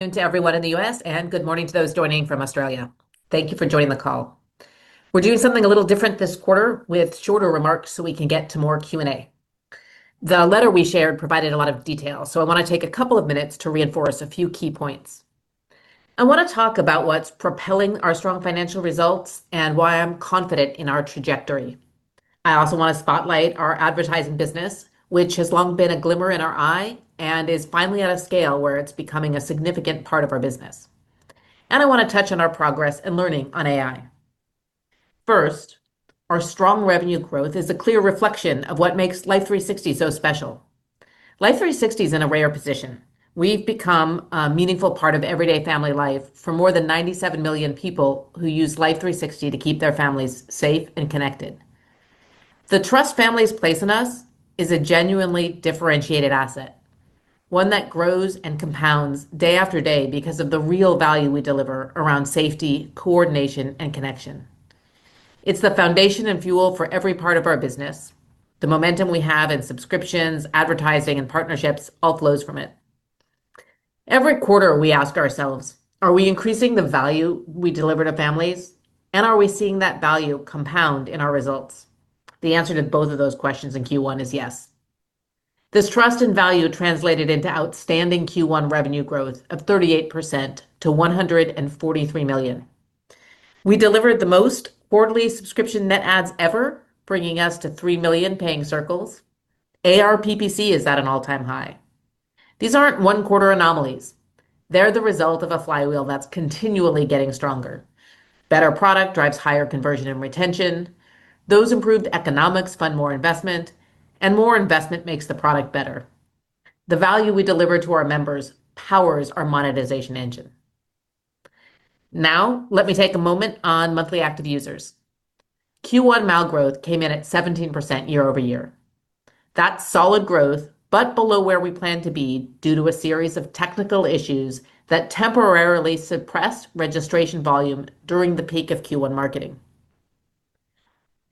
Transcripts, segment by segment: To everyone in the U.S., and good morning to those joining from Australia. Thank you for joining the call. We're doing something a little different this quarter with shorter remarks so we can get to more Q&A. The letter we shared provided a lot of detail, so I wanna take a couple of minutes to reinforce a few key points. I wanna talk about what's propelling our strong financial results and why I'm confident in our trajectory. I also wanna spotlight our advertising business, which has long been a glimmer in our eye and is finally at a scale where it's becoming a significant part of our business. I wanna touch on our progress in learning on AI. First, our strong revenue growth is a clear reflection of what makes Life360 so special. Life360 is in a rare position. We've become a meaningful part of everyday family life for more than 97 million people who use Life360 to keep their families safe and connected. The trust families place in us is a genuinely differentiated asset, one that grows and compounds day after day because of the real value we deliver around safety, coordination, and connection. It's the foundation and fuel for every part of our business. The momentum we have in subscriptions, advertising, and partnerships all flows from it. Every quarter we ask ourselves, are we increasing the value we deliver to families, and are we seeing that value compound in our results? The answer to both of those questions in Q1 is yes. This trust and value translated into outstanding Q1 revenue growth of 38% to $143 million. We delivered the most quarterly subscription net adds ever, bringing us to three million Paying Circles. ARPPC is at an all-time high. These aren't one quarter anomalies. They're the result of a flywheel that's continually getting stronger. Better product drives higher conversion and retention. Those improved economics fund more investment, and more investment makes the product better. The value we deliver to our members powers our monetization engine. Let me take a moment on monthly active users. Q1 MAU growth came in at 17% year-over-year. That's solid growth, but below where we plan to be due to a series of technical issues that temporarily suppressed registration volume during the peak of Q1 marketing.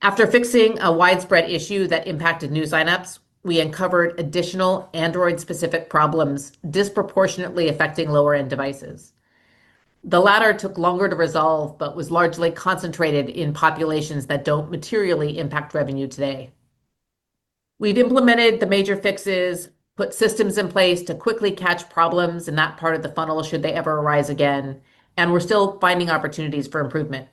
After fixing a widespread issue that impacted new signups, we uncovered additional Android specific problems disproportionately affecting lower-end devices. The latter took longer to resolve, but was largely concentrated in populations that don't materially impact revenue today. We've implemented the major fixes, put systems in place to quickly catch problems in that part of the funnel should they ever arise again, and we're still finding opportunities for improvement.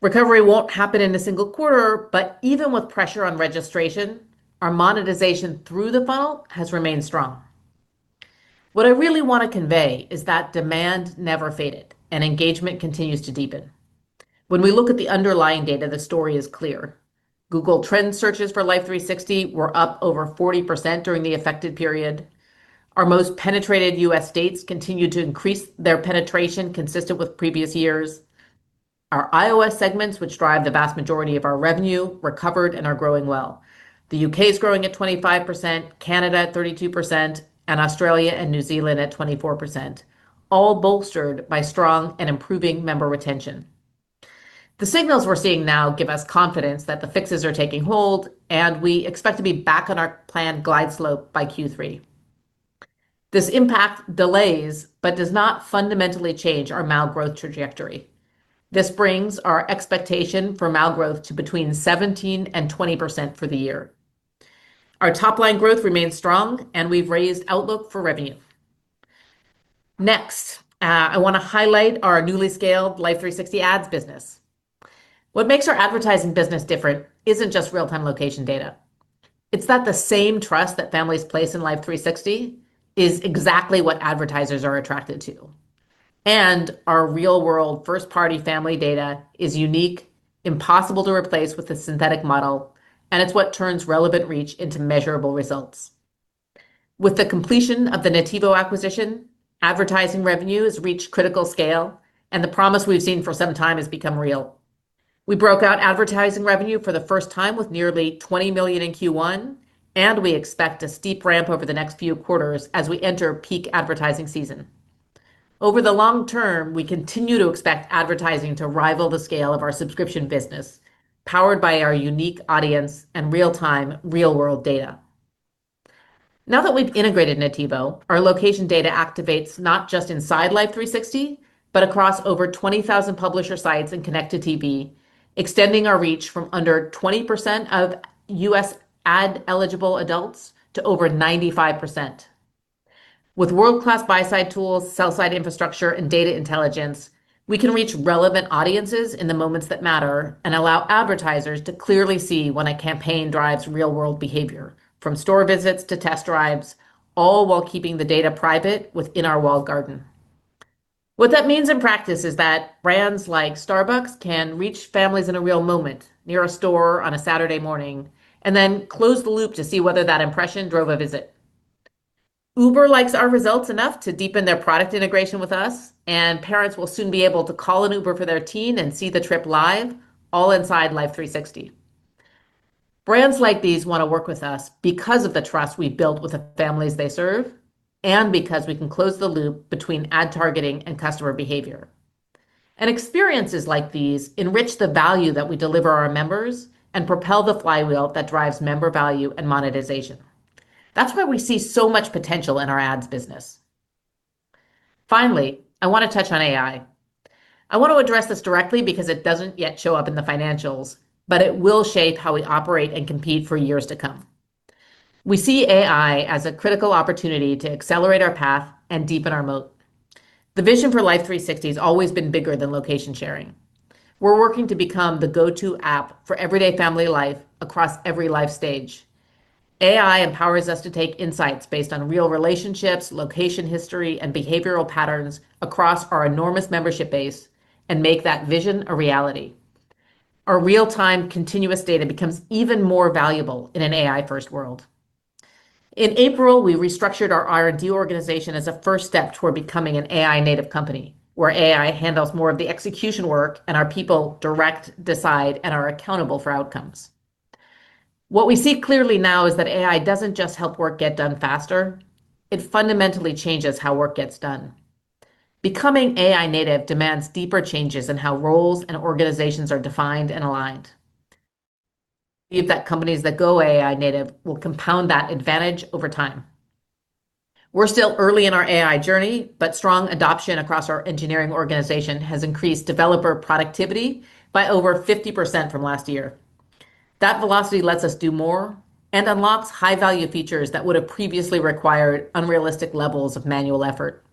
Recovery won't happen in a single quarter, but even with pressure on registration, our monetization through the funnel has remained strong. What I really wanna convey is that demand never faded and engagement continues to deepen. When we look at the underlying data, the story is clear. Google Trends searches for Life360 were up over 40% during the affected period. Our most penetrated U.S. states continued to increase their penetration consistent with previous years. Our iOS segments, which drive the vast majority of our revenue, recovered and are growing well. The U.K. is growing at 25%, Canada at 32%, and Australia and New Zealand at 24%, all bolstered by strong and improving member retention. The signals we're seeing now give us confidence that the fixes are taking hold, and we expect to be back on our planned glide slope by Q3. This impact delays but does not fundamentally change our MAU growth trajectory. This brings our expectation for MAU growth to between 17%-20% for the year. Our top line growth remains strong, and we've raised outlook for revenue. I wanna highlight our newly scaled Life360 Ads business. What makes our advertising business different isn't just real-time location data. It's that the same trust that families place in Life360 is exactly what advertisers are attracted to. Our real-world first-party family data is unique, impossible to replace with a synthetic model, and it's what turns relevant reach into measurable results. With the completion of the Nativo acquisition, advertising revenue has reached critical scale, and the promise we've seen for some time has become real. We broke out advertising revenue for the first time with nearly $20 million in Q1, and we expect a steep ramp over the next few quarters as we enter peak advertising season. Over the long term, we continue to expect advertising to rival the scale of our subscription business, powered by our unique audience and real-time, real-world data. Now that we've integrated Nativo, our location data activates not just inside Life360, but across over 20,000 publisher sites and connected TV, extending our reach from under 20% of U.S. ad eligible adults to over 95%. With world-class buy side tools, sell side infrastructure, and data intelligence, we can reach relevant audiences in the moments that matter and allow advertisers to clearly see when a campaign drives real world behavior from store visits to test drives, all while keeping the data private within our walled garden. What that means in practice is that brands like Starbucks can reach families in a real moment near a store on a Saturday morning, then close the loop to see whether that impression drove a visit. Uber likes our results enough to deepen their product integration with us. Parents will soon be able to call an Uber for their teen and see the trip live all inside Life360. Brands like these wanna work with us because of the trust we build with the families they serve and because we can close the loop between ad targeting and customer behavior. Experiences like these enrich the value that we deliver our members and propel the flywheel that drives member value and monetization. That's why we see so much potential in our ads business. Finally, I wanna touch on AI. I want to address this directly because it doesn't yet show up in the financials, it will shape how we operate and compete for years to come. We see AI as a critical opportunity to accelerate our path and deepen our moat. The vision for Life360 has always been bigger than location sharing. We're working to become the go-to app for everyday family life across every life stage. AI empowers us to take insights based on real relationships, location history, and behavioral patterns across our enormous membership base and make that vision a reality. Our real-time continuous data becomes even more valuable in an AI-first world. In April, we restructured our R&D organization as a first step toward becoming an AI native company, where AI handles more of the execution work and our people direct, decide, and are accountable for outcomes. What we see clearly now is that AI doesn't just help work get done faster, it fundamentally changes how work gets done. Becoming AI native demands deeper changes in how roles and organizations are defined and aligned. We believe that companies that go AI native will compound that advantage over time. We're still early in our AI journey, but strong adoption across our engineering organization has increased developer productivity by over 50% from last year. That velocity lets us do more and unlocks high-value features that would have previously required unrealistic levels of manual effort.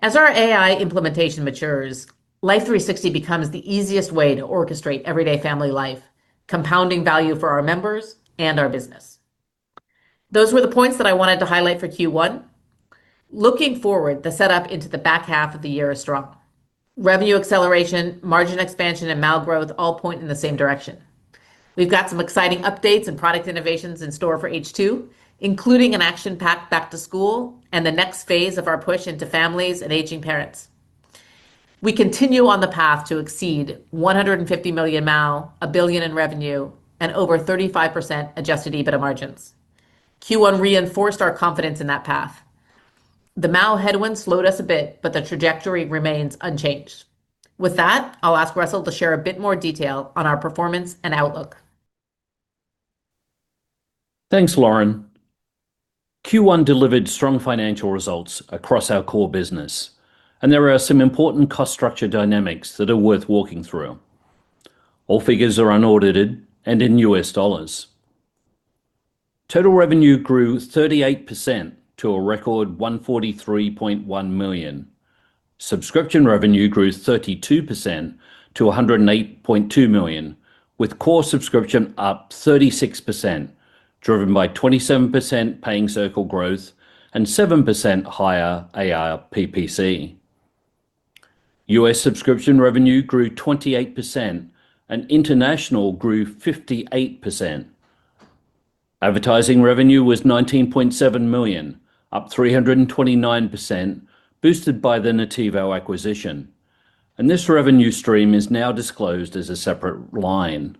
As our AI implementation matures, Life360 becomes the easiest way to orchestrate everyday family life, compounding value for our members and our business. Those were the points that I wanted to highlight for Q1. Looking forward, the setup into the back half of the year is strong. Revenue acceleration, margin expansion, and MAU growth all point in the same direction. We've got some exciting updates and product innovations in store for H2, including an action-packed back to school and the next phase of our push into families and aging parents. We continue on the path to exceed 150 million MAU, a billion in revenue, and over 35% adjusted EBITDA margins. Q1 reinforced our confidence in that path. The MAU headwinds slowed us a bit, but the trajectory remains unchanged. With that, I'll ask Russell to share a bit more detail on our performance and outlook. Thanks, Lauren. Q1 delivered strong financial results across our core business, and there are some important cost structure dynamics that are worth walking through. All figures are unaudited and in U.S. dollars. Total revenue grew 38% to a record $143.1 million. Subscription revenue grew 32% to $108.2 million, with core subscription up 36%, driven by 27% Paying Circles growth and 7% higher ARPPC. U.S. subscription revenue grew 28% and international grew 58%. Advertising revenue was $19.7 million, up 329%, boosted by the Nativo acquisition. This revenue stream is now disclosed as a separate line.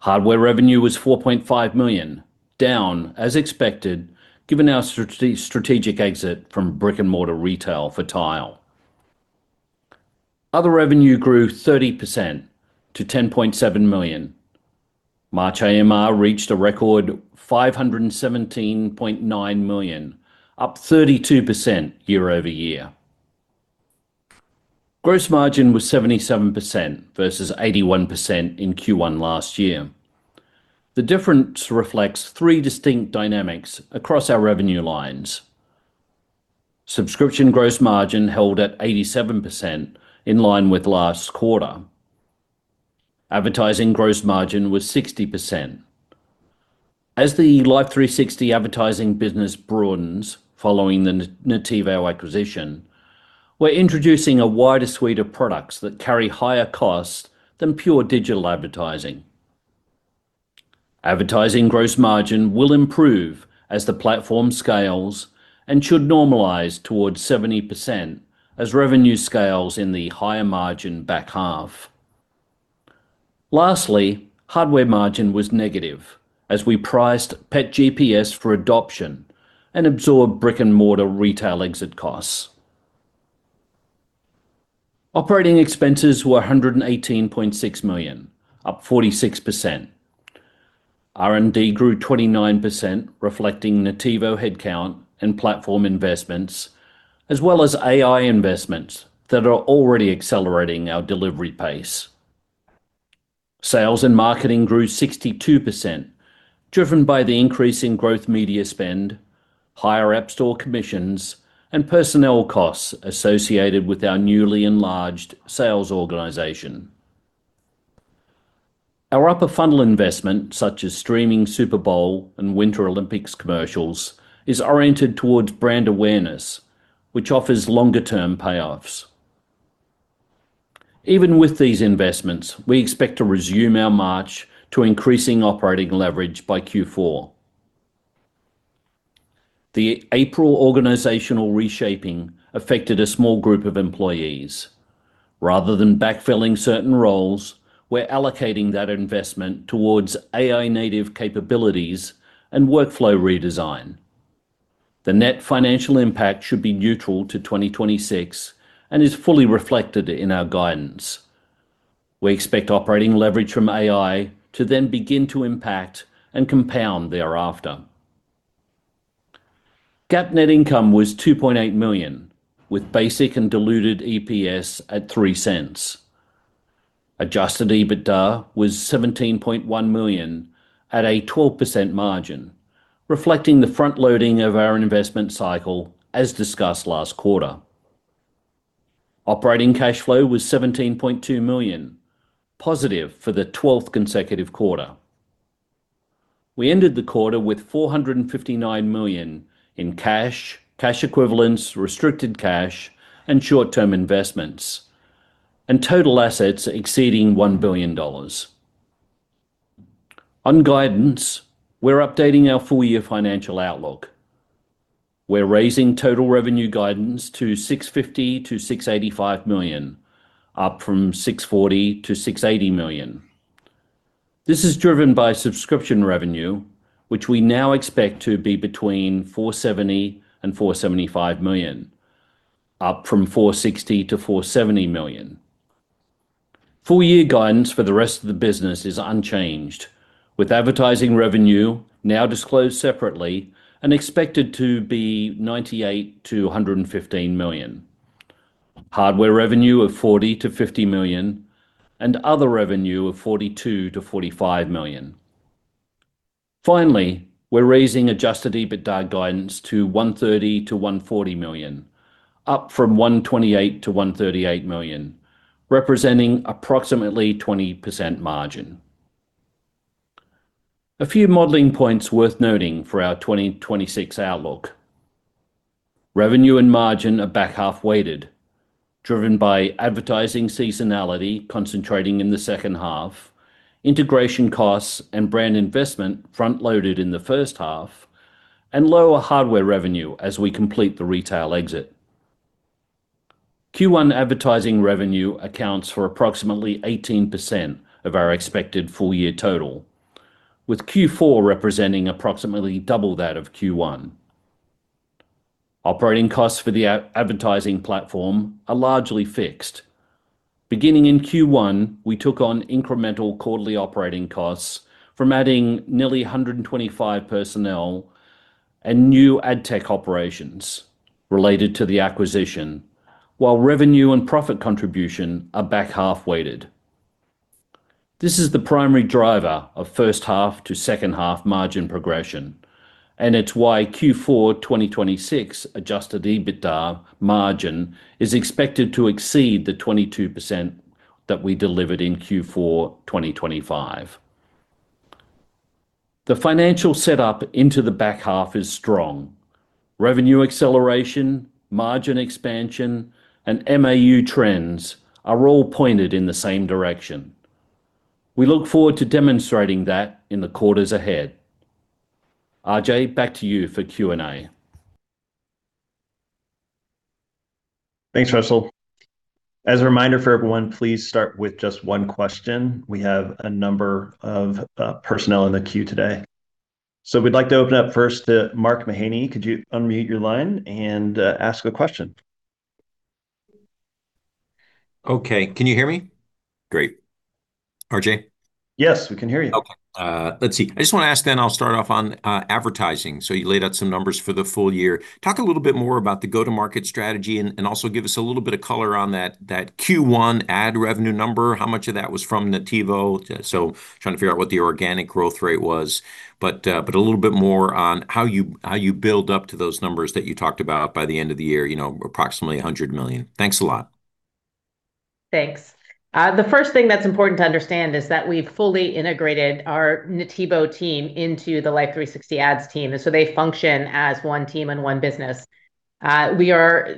Hardware revenue was $4.5 million, down as expected, given our strategic exit from brick-and-mortar retail for Tile. Other revenue grew 30% to $10.7 million. March AMR reached a record $517.9 million, up 32% year-over-year. Gross margin was 77% versus 81% in Q1 last year. The difference reflects three distinct dynamics across our revenue lines. Subscription gross margin held at 87% in line with last quarter. Advertising gross margin was 60%. As the Life360 advertising business broadens following the Nativo acquisition, we're introducing a wider suite of products that carry higher costs than pure digital advertising. Advertising gross margin will improve as the platform scales and should normalize towards 70% as revenue scales in the higher margin back half. Lastly, hardware margin was negative as we priced Pet GPS for adoption and absorbed brick-and-mortar retail exit costs. Operating expenses were $118.6 million, up 46%. R&D grew 29%, reflecting Nativo headcount and platform investments, as well as AI investments that are already accelerating our delivery pace. Sales and marketing grew 62%, driven by the increase in growth media spend, higher App Store commissions, and personnel costs associated with our newly enlarged sales organization. Our upper funnel investment, such as streaming Super Bowl and Winter Olympics commercials, is oriented towards brand awareness, which offers longer-term payoffs. Even with these investments, we expect to resume our march to increasing operating leverage by Q4. The April organizational reshaping affected a small group of employees. Rather than backfilling certain roles, we're allocating that investment towards AI native capabilities and workflow redesign. The net financial impact should be neutral to 2026 and is fully reflected in our guidance. We expect operating leverage from AI to then begin to impact and compound thereafter. GAAP net income was $2.8 million, with basic and diluted EPS at $0.03. Adjusted EBITDA was $17.1 million at a 12% margin, reflecting the front-loading of our investment cycle, as discussed last quarter. Operating cash flow was $17.2 million, positive for the 12th consecutive quarter. We ended the quarter with $459 million in cash equivalents, restricted cash, and short-term investments, and total assets exceeding $1 billion. On guidance, we're updating our full-year financial outlook. We're raising total revenue guidance to $650 million-$685 million, up from $640 million-$680 million. This is driven by subscription revenue, which we now expect to be between $470 million and $475 million, up from $460 million-$470 million. Full-year guidance for the rest of the business is unchanged, with advertising revenue now disclosed separately and expected to be $98 million-$115 million. Hardware revenue of $40 million-$50 million, and other revenue of $42 million-$45 million. We're raising adjusted EBITDA guidance to $130 million-$140 million, up from $128 million-$138 million, representing approximately 20% margin. A few modeling points worth noting for our 2026 outlook. Revenue and margin are back-half weighted, driven by advertising seasonality concentrating in the second half, integration costs and brand investment front-loaded in the first half, and lower hardware revenue as we complete the retail exit. Q1 advertising revenue accounts for approximately 18% of our expected full-year total, with Q4 representing approximately double that of Q1. Operating costs for the advertising platform are largely fixed. Beginning in Q1, we took on incremental quarterly operating costs from adding nearly 125 personnel and new ad tech operations related to the acquisition, while revenue and profit contribution are back-half weighted. This is the primary driver of first-half to second-half margin progression. It's why Q4 2026 adjusted EBITDA margin is expected to exceed the 22% that we delivered in Q4 2025. The financial setup into the back half is strong. Revenue acceleration, margin expansion, and MAU trends are all pointed in the same direction. We look forward to demonstrating that in the quarters ahead. RJ, back to you for Q&A. Thanks, Russell. As a reminder for everyone, please start with just one question. We have a number of personnel in the queue today. We'd like to open up first to [Mark Mahaney]. Could you unmute your line and ask a question? Okay. Can you hear me? Great. RJ? Yes, we can hear you. Okay. Let's see. I just wanna ask I'll start off on advertising. You laid out some numbers for the full year. Talk a little bit more about the go-to-market strategy and also give us a little bit of color on that Q1 ad revenue number. How much of that was from Nativo? Trying to figure out what the organic growth rate was. But a little bit more on how you build up to those numbers that you talked about by the end of the year, you know, approximately $100 million? Thanks a lot. Thanks. The first thing that's important to understand is that we've fully integrated our Nativo team into the Life360 Ads team. They function as one team and one business. We are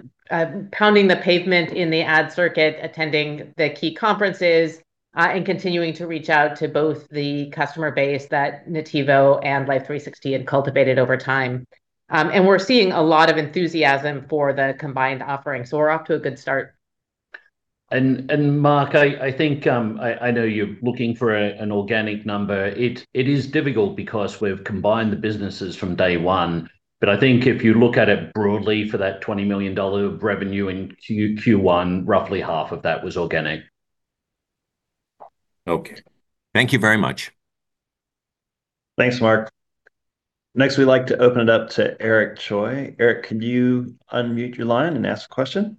pounding the pavement in the ad circuit, attending the key conferences, continuing to reach out to both the customer base that Nativo and Life360 had cultivated over time. We're seeing a lot of enthusiasm for the combined offering. We're off to a good start. Mark, I think I know you're looking for an organic number. It is difficult because we've combined the businesses from day one. I think if you look at it broadly for that $20 million revenue in Q1, roughly half of that was organic. Okay. Thank you very much. Thanks, Mark. Next, we'd like to open it up to [Eric Choi]. Eric, could you unmute your line and ask a question?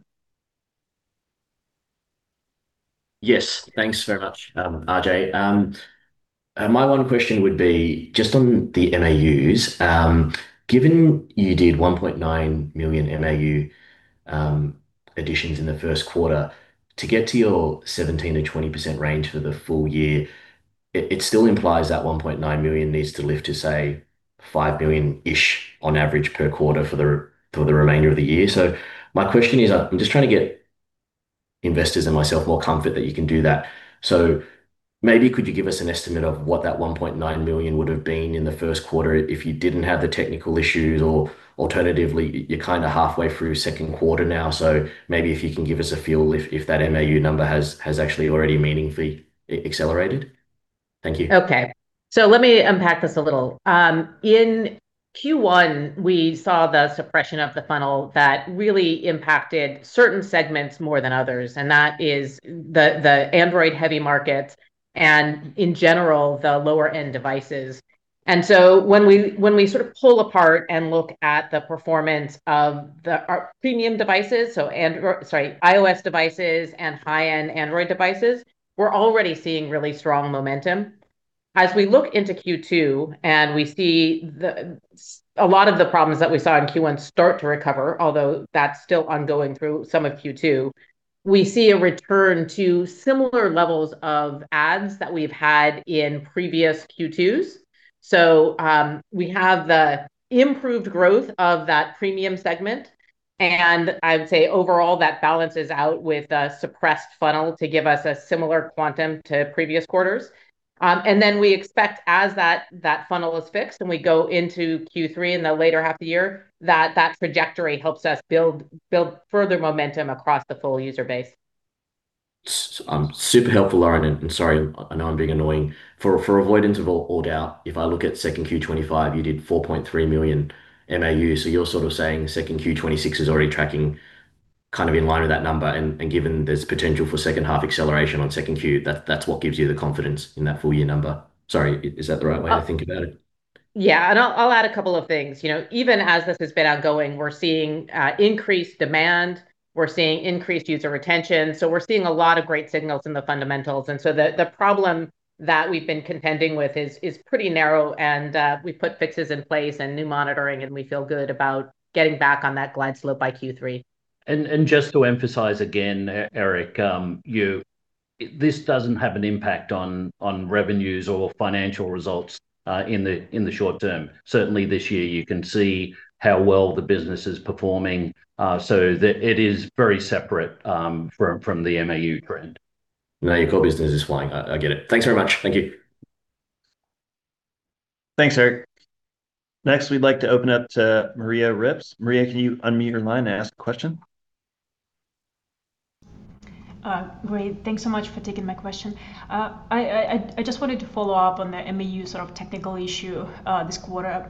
Yes. Thanks very much, RJ. My one question would be just on the MAUs. Given you did 1.9 million MAU additions in the first quarter, to get to your 17%-20% range for the full year, it still implies that 1.9 million needs to lift to, say, five million-ish on average per quarter for the remainder of the year. My question is, I'm just trying to get investors and myself more comfort that you can do that. Maybe could you give us an estimate of what that 1.9 million would have been in the first quarter if you didn't have the technical issues? Alternatively, you're kind of halfway through second quarter now, maybe if you can give us a feel if that MAU number has actually already meaningfully accelerated? Thank you. Okay. Let me unpack this a little. In Q1, we saw the suppression of the funnel that really impacted certain segments more than others, and that is the Android-heavy markets and, in general, the lower-end devices. When we sort of pull apart and look at the performance of our premium devices, iOS devices and high-end Android devices, we're already seeing really strong momentum. As we look into Q2 and we see a lot of the problems that we saw in Q1 start to recover, although that's still ongoing through some of Q2, we see a return to similar levels of ads that we've had in previous Q2s. We have the improved growth of that premium segment, and I would say overall that balances out with a suppressed funnel to give us a similar quantum to previous quarters. We expect as that funnel is fixed and we go into Q3 in the later half of the year, that trajectory helps us build further momentum across the full user base. Super helpful, Lauren, and sorry, I know I'm being annoying. For avoidance of all doubt, if I look at second Q 2025, you did $4.3 million MAU. You're sort of saying second Q 2026 is already tracking kind of in line with that number and given there's potential for second half acceleration on second Q, that's what gives you the confidence in that full year number. Sorry, is that the right way to think about it? Yeah, I'll add a couple of things. You know, even as this has been ongoing, we're seeing increased demand, we're seeing increased user retention. We're seeing a lot of great signals in the fundamentals. The problem that we've been contending with is pretty narrow and we put fixes in place and new monitoring, and we feel good about getting back on that glide slope by Q3. Just to emphasize again, Eric, you this doesn't have an impact on revenues or financial results in the short term. Certainly this year you can see how well the business is performing. The it is very separate from the MAU trend. No, your core business is flying. I get it. Thanks very much. Thank you. Thanks, Eric. Next, we'd like to open up to [Maria Ripps]. Maria, can you unmute your line and ask a question? Great. Thanks so much for taking my question. I just wanted to follow up on the MAU sort of technical issue this quarter.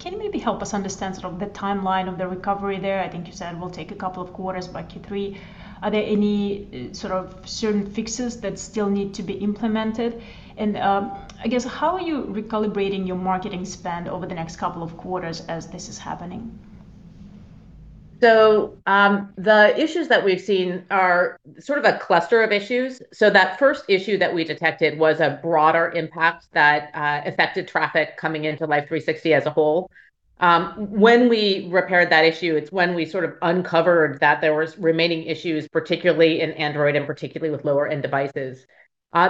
Can you maybe help us understand sort of the timeline of the recovery there? I think you said it will take a couple of quarters by Q3. Are there any sort of certain fixes that still need to be implemented? I guess, how are you recalibrating your marketing spend over the next couple of quarters as this is happening? The issues that we've seen are sort of a cluster of issues. That first issue that we detected was a broader impact that affected traffic coming into Life360 as a whole. When we repaired that issue, it's when we sort of uncovered that there was remaining issues, particularly in Android and particularly with lower-end devices.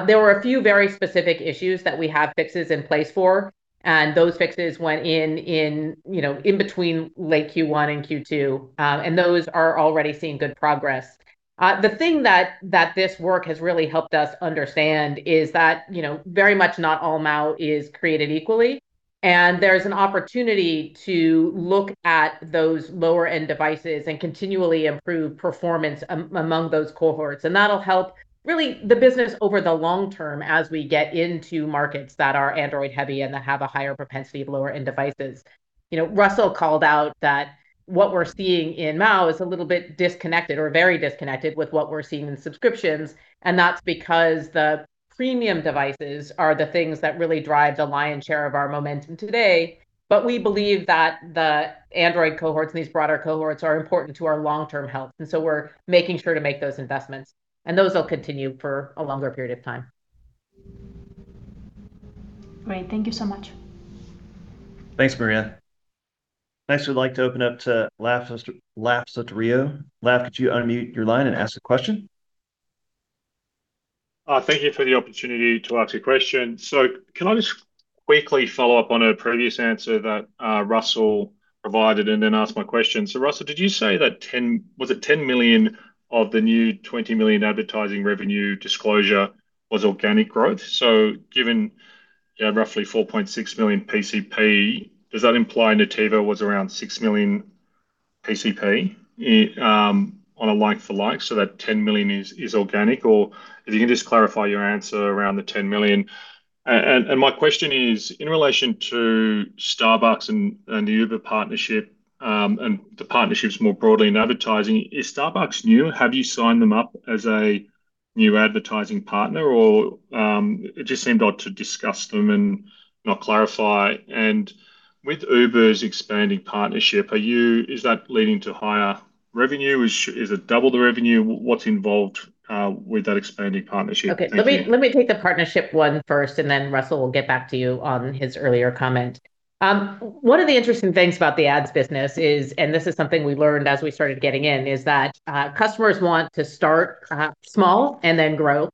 There were a few very specific issues that we have fixes in place for, and those fixes went in, you know, in between late Q1 and Q2. Those are already seeing good progress. The thing that this work has really helped us understand is that, you know, very much not all MAU is created equally, and there's an opportunity to look at those lower-end devices and continually improve performance among those cohorts. That'll help really the business over the long term as we get into markets that are Android heavy and that have a higher propensity of lower-end devices. You know, Russell called out that what we're seeing in MAU is a little bit disconnected or very disconnected with what we're seeing in subscriptions, and that's because the premium devices are the things that really drive the lion's share of our momentum today. We believe that the Android cohorts and these broader cohorts are important to our long-term health, so we're making sure to make those investments, and those will continue for a longer period of time. Great. Thank you so much. Thanks, Maria. Next, we'd like to open up to [Laf Sotiriou]. Laf, could you unmute your line and ask a question? Thank you for the opportunity to ask a question. Can I just quickly follow up on a previous answer that Russell provided and then ask my question? Russell, did you say was it $10 million of the new $20 million advertising revenue disclosure was organic growth? Given, you know, roughly $4.6 million PCP, does that imply Nativo was around $6 million PCP on a like for like, so that $10 million is organic? If you can just clarify your answer around the $10 million. And my question is in relation to Starbucks and the Uber partnership and the partnerships more broadly in advertising. Is Starbucks new? Have you signed them up as a new advertising partner or it just seemed odd to discuss them and not clarify. With Uber's expanding partnership, is that leading to higher revenue? Is it double the revenue? What's involved with that expanding partnership? Thank you. Let me take the partnership one first, and then Russell will get back to you on his earlier comment. One of the interesting things about the ads business is, and this is something we learned as we started getting in, is that customers want to start small and then grow.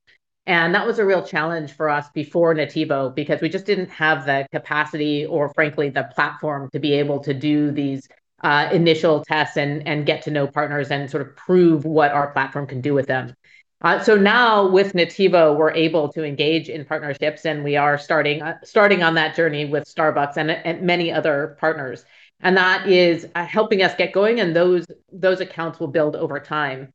That was a real challenge for us before Nativo because we just didn't have the capacity or frankly the platform to be able to do these initial tests and get to know partners and sort of prove what our platform can do with them. Now with Nativo, we're able to engage in partnerships, and we are starting on that journey with Starbucks and many other partners. That is helping us get going, and those accounts will build over time.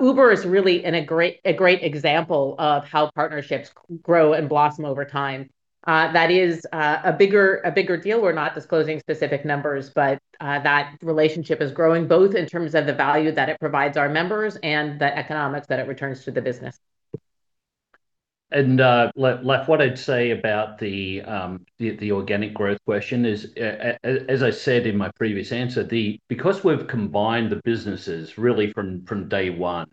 Uber is really in a great example of how partnerships grow and blossom over time. That is a bigger deal. We're not disclosing specific numbers, but that relationship is growing both in terms of the value that it provides our members and the economics that it returns to the business. Laf, what I'd say about the organic growth question is, as I said in my previous answer, because we've combined the businesses really from day one,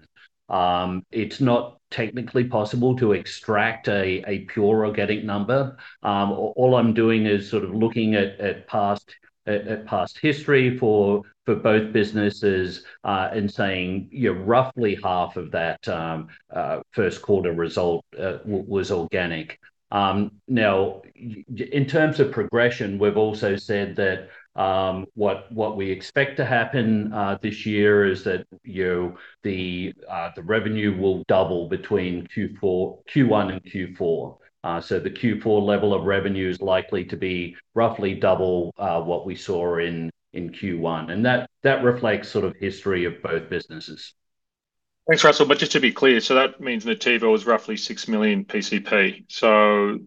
it's not technically possible to extract a pure organic number. All I'm doing is sort of looking at past history for both businesses, and saying, you know, roughly half of that first quarter result was organic. Now in terms of progression, we've also said that what we expect to happen this year is that, you know, the revenue will double between Q1 and Q4. The Q4 level of revenue is likely to be roughly double what we saw in Q1, and that reflects sort of history of both businesses. Thanks, Russell. Just to be clear, so that means Nativo was roughly $6 million PCP.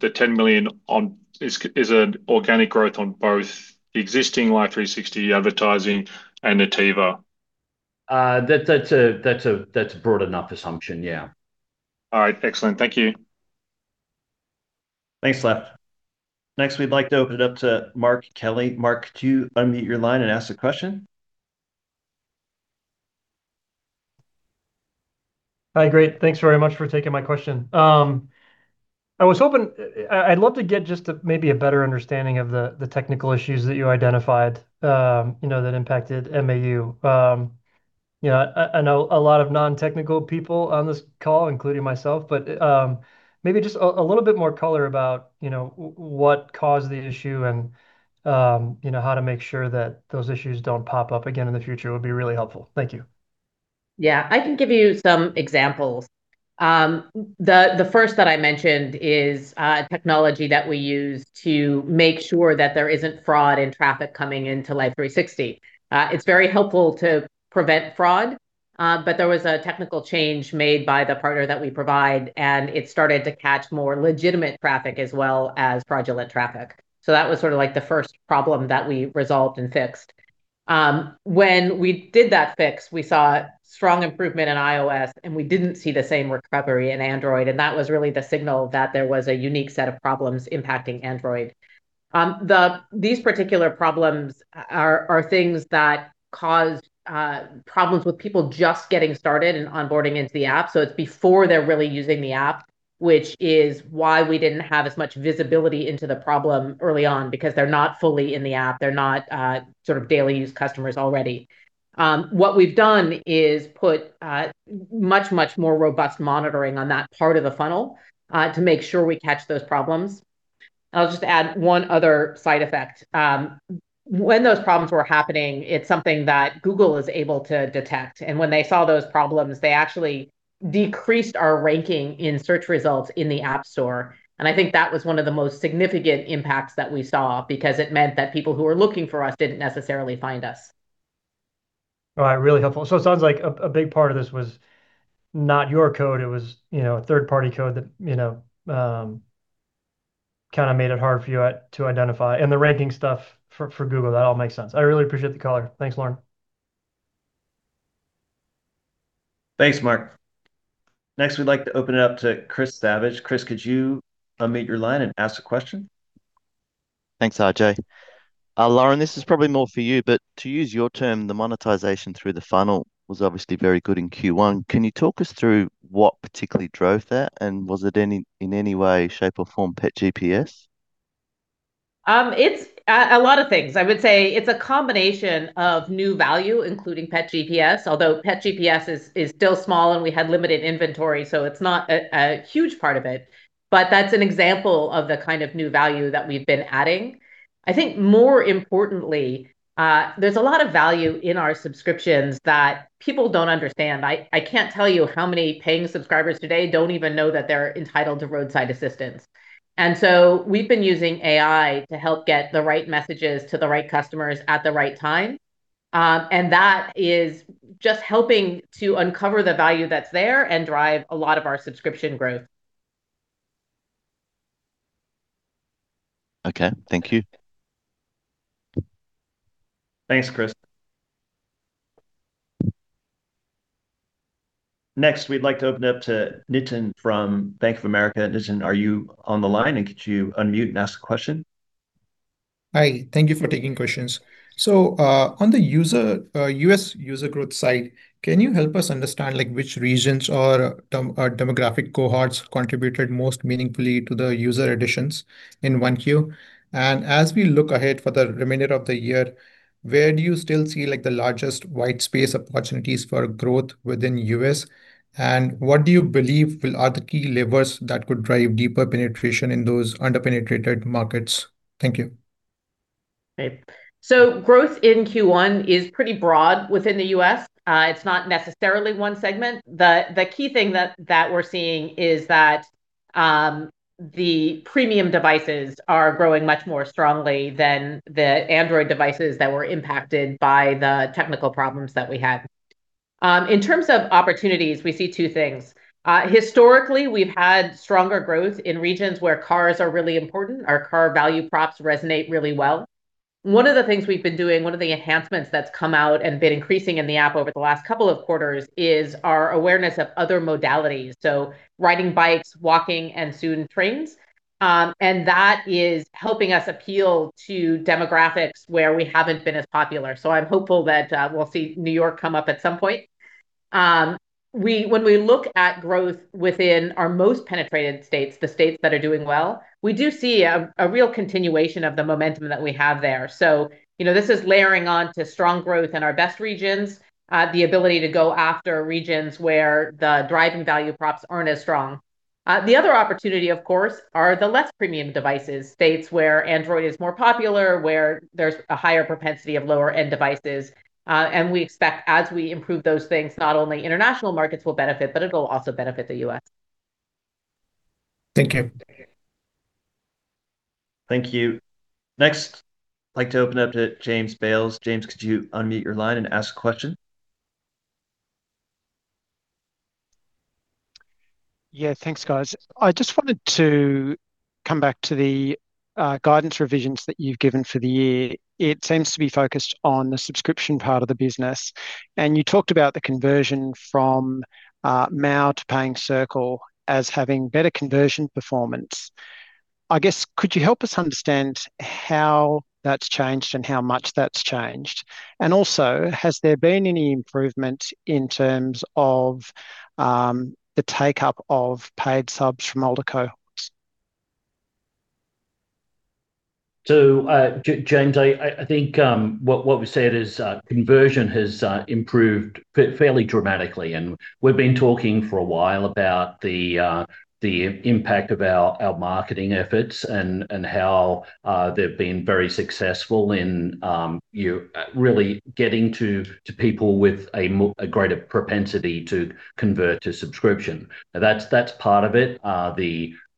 The $10 million on is an organic growth on both the existing Life360 advertising and Nativo? That's a broad enough assumption, yeah. All right. Excellent. Thank you. Thanks, Laf. Next, we'd like to open it up to [Mark Kelley]. Mark, could you unmute your line and ask the question? Hi. Great. Thanks very much for taking my question. I was hoping I'd love to get just a maybe a better understanding of the technical issues that you identified, you know, that impacted MAU. You know, I know a lot of non-technical people on this call, including myself, but maybe just a little bit more color about, you know, what caused the issue and, you know, how to make sure that those issues don't pop up again in the future would be really helpful? Thank you. Yeah. I can give you some examples. The first that I mentioned is technology that we use to make sure that there isn't fraud in traffic coming into Life360. It's very helpful to prevent fraud, there was a technical change made by the partner that we provide, it started to catch more legitimate traffic as well as fraudulent traffic. That was sort of like the first problem that we resolved and fixed. When we did that fix, we saw strong improvement in iOS, we didn't see the same recovery in Android, that was really the signal that there was a unique set of problems impacting Android. These particular problems are things that caused problems with people just getting started and onboarding into the app. It's before they're really using the app, which is why we didn't have as much visibility into the problem early on because they're not fully in the app. They're not, sort of daily use customers already. What we've done is put much, much more robust monitoring on that part of the funnel to make sure we catch those problems. I'll just add one other side effect. When those problems were happening, it's something that Google is able to detect, and when they saw those problems, they actually decreased our ranking in search results in the App Store. I think that was one of the most significant impacts that we saw because it meant that people who were looking for us didn't necessarily find us. All right. Really helpful. It sounds like a big part of this was not your code. It was, you know, a third-party code that, you know, kind of made it hard for you at to identify, and the ranking stuff for Google. That all makes sense. I really appreciate the color. Thanks, Lauren. Thanks, Mark. Next, we'd like to open it up to [Chris Savage]. Chris, could you unmute your line and ask the question? Thanks, RJ. Lauren, this is probably more for you, but to use your term, the monetization through the funnel was obviously very good in Q1. Can you talk us through what particularly drove that, and was it any, in any way, shape, or form Pet GPS? It's a lot of things. I would say it's a combination of new value, including Pet GPS, although Pet GPS is still small, and we had limited inventory, so it's not a huge part of it. That's an example of the kind of new value that we've been adding. I think more importantly, there's a lot of value in our subscriptions that people don't understand. I can't tell you how many paying subscribers today don't even know that they're entitled to roadside assistance. So we've been using AI to help get the right messages to the right customers at the right time, and that is just helping to uncover the value that's there and drive a lot of our subscription growth. Okay. Thank you. Thanks, Chris. Next, we'd like to open up to Nitin Bansal from Bank of America. Nitin, are you on the line, and could you unmute and ask the question? Hi. Thank you for taking questions. On the user, U.S. user growth side, can you help us understand, like, which regions or demographic cohorts contributed most meaningfully to the user additions in 1Q? As we look ahead for the remainder of the year, where do you still see, like, the largest white space opportunities for growth within U.S.? And what do you believe will are the key levers that could drive deeper penetration in those under-penetrated markets? Thank you. Okay. Growth in Q1 is pretty broad within the U.S. It's not necessarily one segment. The key thing that we're seeing is that the premium devices are growing much more strongly than the Android devices that were impacted by the technical problems that we had. In terms of opportunities, we see two things. Historically, we've had stronger growth in regions where cars are really important. Our car value props resonate really well. One of the things we've been doing, one of the enhancements that's come out and been increasing in the app over the last couple of quarters, is our awareness of other modalities. Riding bikes, walking, and soon trains. That is helping us appeal to demographics where we haven't been as popular. I'm hopeful that we'll see New York come up at some point. When we look at growth within our most penetrated states, the states that are doing well, we do see a real continuation of the momentum that we have there. You know, this is layering on to strong growth in our best regions, the ability to go after regions where the driving value props aren't as strong. The other opportunity, of course, are the less premium devices. States where Android is more popular, where there's a higher propensity of lower-end devices. We expect as we improve those things, not only international markets will benefit, but it'll also benefit the U.S. Thank you. Thank you. Next, I'd like to open up to [James Bales]. James, could you unmute your line and ask a question? Yeah. Thanks, guys. I just wanted to come back to the guidance revisions that you've given for the year. It seems to be focused on the subscription part of the business, and you talked about the conversion from MAU to Paying Circles as having better conversion performance. I guess, could you help us understand how that's changed and how much that's changed? Also, has there been any improvement in terms of the take-up of paid subs from older cohorts? James, I think what we said is conversion has improved fairly dramatically and we've been talking for a while about the impact of our marketing efforts and how they've been very successful in, you know, really getting to people with a greater propensity to convert to subscription. Now, that's part of it.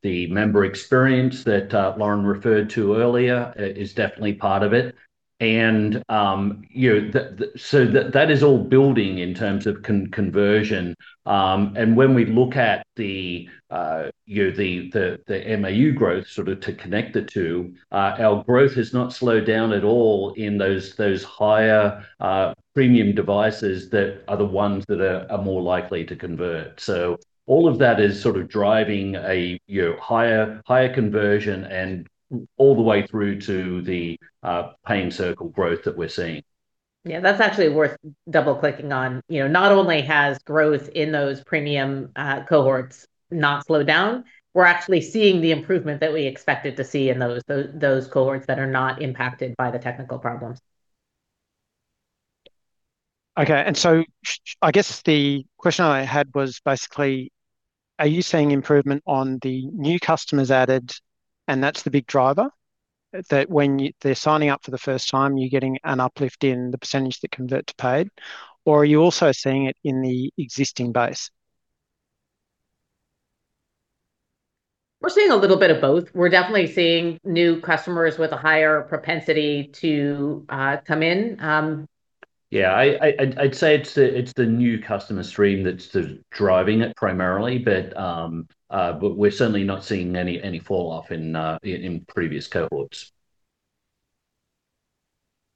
The member experience that Lauren referred to earlier is definitely part of it. You know, so that is all building in terms of conversion. When we look at the, you know, the MAU growth sort of to connect the two, our growth has not slowed down at all in those higher premium devices that are the ones that are more likely to convert. All of that is sort of driving a, you know, higher conversion and all the way through to the Paying Circles growth that we're seeing. Yeah. That's actually worth double-clicking on. You know, not only has growth in those premium cohorts not slowed down, we're actually seeing the improvement that we expected to see in those cohorts that are not impacted by the technical problems. Okay. I guess the question I had was basically, are you seeing improvement on the new customers added, and that's the big driver? When they're signing up for the first time, you're getting an uplift in the percentage that convert to paid? Or are you also seeing it in the existing base? We're seeing a little bit of both. We're definitely seeing new customers with a higher propensity to come in. Yeah. I'd say it's the new customer stream that's, sort of, driving it primarily, but we're certainly not seeing any fall off in previous cohorts.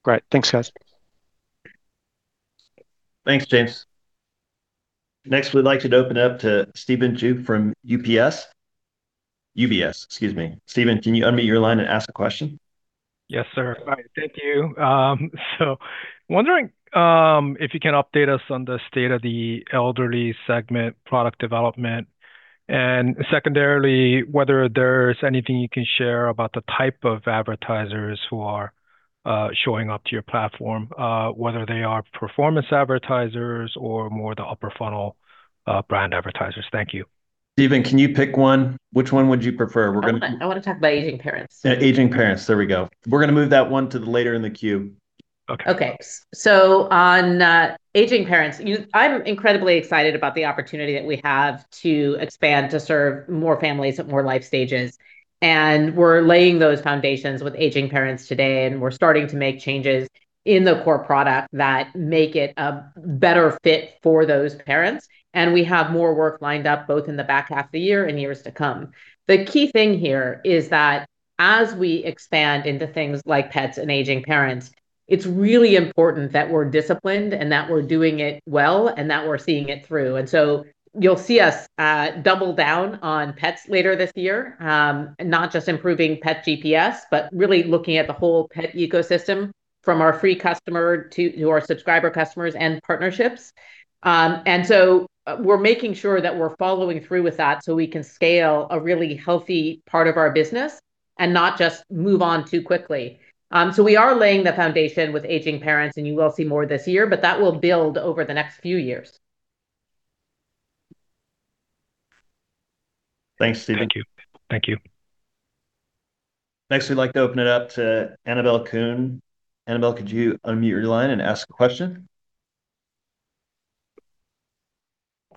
Great. Thanks, guys. Thanks, James. We'd like to open up to Stephen Ju from UBS. UBS, excuse me. Stephen, can you unmute your line and ask a question? Yes, Sir. Thank you. Wondering if you can update us on the state of the elderly segment product development. Secondarily, whether there's anything you can share about the type of advertisers who are showing up to your platform, whether they are performance advertisers or more the upper funnel, brand advertisers? Thank you. Lauren, can you pick one? Which one would you prefer? I wanna talk about Aging Parents. Yeah. Aging Parents, there we go. We're gonna move that one to later in the queue. Okay. Okay. On Aging Parents, I'm incredibly excited about the opportunity that we have to expand to serve more families at more life stages. We're laying those foundations with Aging Parents today. We're starting to make changes in the core product that make it a better fit for those parents. We have more work lined up both in the back half of the year and years to come. The key thing here is that as we expand into things like Pet GPS and Aging Parents, it's really important that we're disciplined and that we're doing it well and that we're seeing it through. You'll see us double down on Pet GPS later this year. Not just improving Pet GPS, but really looking at the whole pet ecosystem from our free customer to our subscriber customers and partnerships. We're making sure that we're following through with that so we can scale a really healthy part of our business and not just move on too quickly. We are laying the foundation with aging parents, and you will see more this year, but that will build over the next few years. Thanks, Stephen. Thank you. Thank you. Next, we'd like to open it up to [Annabel Khun]. Annabel, could you unmute your line and ask a question?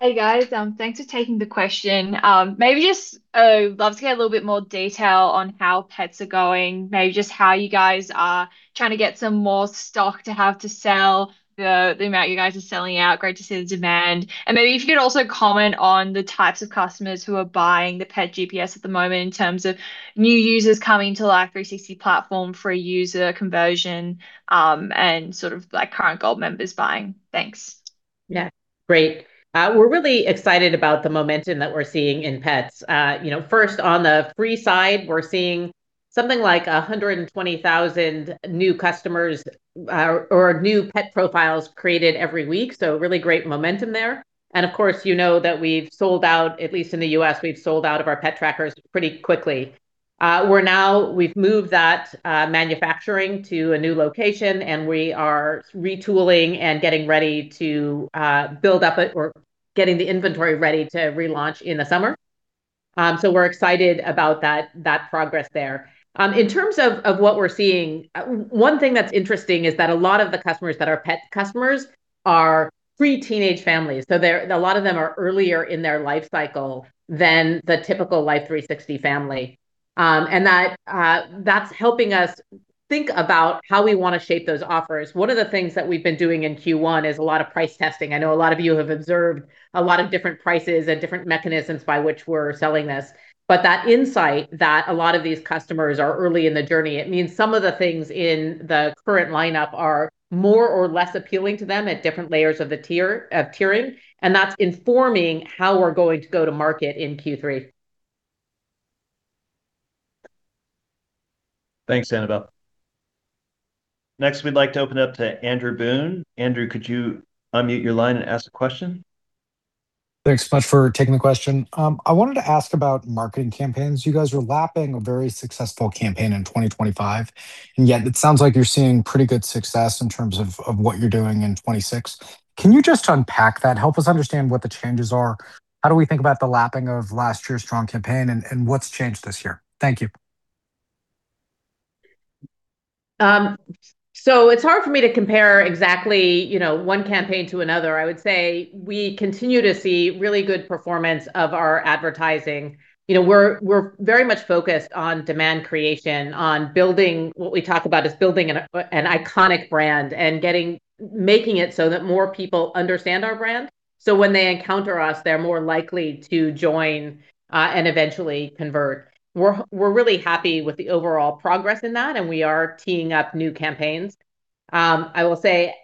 Hey, guys, thanks for taking the question. Maybe just love to get a little bit more detail on how Pet GPS are going. Maybe just how you guys are trying to get some more stock to have to sell, the amount you guys are selling out. Great to see the demand. Maybe if you could also comment on the types of customers who are buying the Pet GPS at the moment in terms of new users coming to Life360 platform, free user conversion, and sort of like current Gold members buying? Thanks. Yeah, great. We're really excited about the momentum that we're seeing in Pet GPS. You know, first on the free side, we're seeing something like 120,000 new customers, or new pet profiles created every week, really great momentum there. Of course, you know that we've sold out, at least in the U.S., we've sold out of our Life360 Pet GPS pretty quickly. We've moved that manufacturing to a new location, and we are retooling and getting ready to build up or getting the inventory ready to relaunch in the summer. We're excited about that progress there. In terms of what we're seeing, one thing that's interesting is that a lot of the customers that are pet customers are free teenage families. A lot of them are earlier in their life cycle than the typical Life360 family. That's helping us think about how we wanna shape those offers. One of the things that we've been doing in Q1 is a lot of price testing. I know a lot of you have observed a lot of different prices and different mechanisms by which we're selling this. That insight that a lot of these customers are early in the journey, it means some of the things in the current lineup are more or less appealing to them at different layers of the tiering, and that's informing how we're going to go to market in Q3. Thanks, Annabel. Next, we'd like to open up to [Andrew Boone]. Andrew, could you unmute your line and ask a question? Thanks much for taking the question. I wanted to ask about marketing campaigns. You guys were lapping a very successful campaign in 2025, and yet it sounds like you're seeing pretty good success in terms of what you're doing in 2026. Can you just unpack that? Help us understand what the changes are. How do we think about the lapping of last year's strong campaign, and what's changed this year? Thank you. It's hard for me to compare exactly, you know, one campaign to another. I would say we continue to see really good performance of our advertising. You know, we're very much focused on demand creation, on building What we talk about is building an iconic brand and getting, making it so that more people understand our brand, when they encounter us, they're more likely to join and eventually convert. We're really happy with the overall progress in that, we are teeing up new campaigns. I will say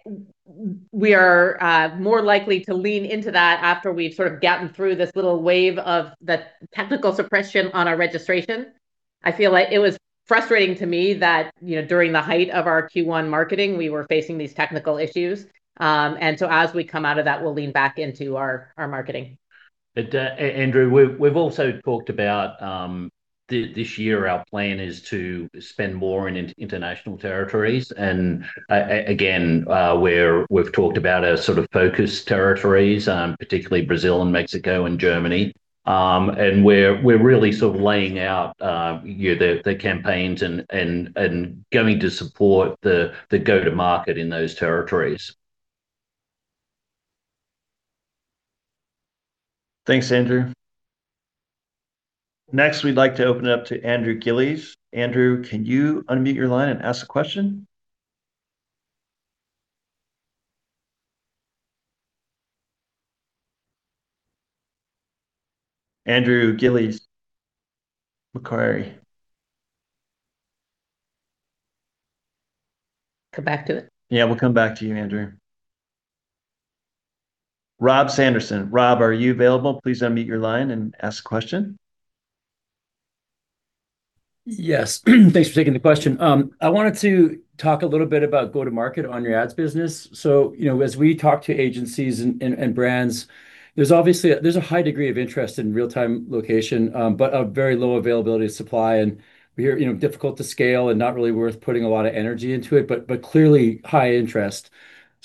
we are more likely to lean into that after we've sort of gotten through this little wave of the technical suppression on our registration. I feel like it was frustrating to me that, you know, during the height of our Q1 marketing we were facing these technical issues. As we come out of that, we'll lean back into our marketing. Andrew, we've also talked about this year our plan is to spend more in international territories and again, where we've talked about our sort of focus territories, particularly Brazil and Mexico and Germany. And we're really sort of laying out, you know, the campaigns and going to support the go-to-market in those territories. Thanks, Andrew. We'd like to open up to Andrew Gillies. Andrew, can you unmute your line and ask a question? Andrew Gillies, Macquarie. Come back to it. Yeah, we'll come back to you, Andrew. [Rob Sanderson]. Rob, are you available? Please unmute your line and ask a question. Yes. Thanks for taking the question. I wanted to talk a little bit about go-to-market on your ads business. You know, as we talk to agencies and brands, there's obviously, there's a high degree of interest in real-time location, but a very low availability of supply, and we hear, you know, difficult to scale and not really worth putting a lot of energy into it, but clearly high interest.